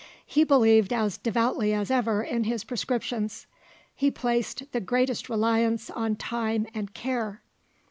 He believed as devoutly as ever in his prescriptions; he placed the greatest reliance on time and care.